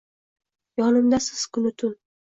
Yonimdasiz kunu-tun